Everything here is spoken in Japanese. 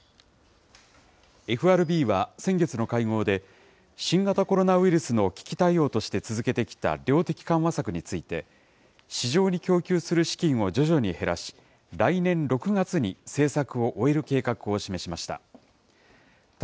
ＦＲＢは先月の会合で、新型コロナウイルスの危機対応として続けてきた量的緩和策について、市場に供給する資金を徐々に減らし、来年６月に政策を終える計画を示しました。